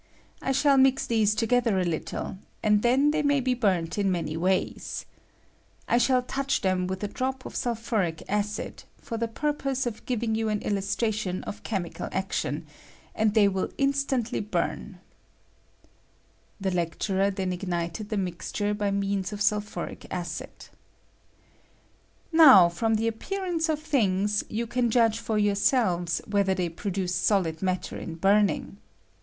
I shall mix these together a little, and then they may be burnt in many ways. I shall touch them with a drop of sulphuric acid, for the purpose of giving you an illustration of chemical action, and they will instantly burn,{^) [The lecturer then ignited the mixture by means of sulphuric 1 J » i^^^ this! ^^H liave COMBUSTION OF ZINC. 67 Hcid.] Now, from the appearance of tliiiigs, you can judge for yourselves whether tliey produce solid matter in burning.